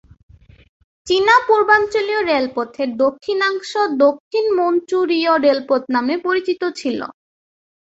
চীনা পূর্বাঞ্চলীয় রেলপথের দক্ষিণাংশ দক্ষিণ মাঞ্চুরীয় রেলপথ নামে পরিচিত ছিল।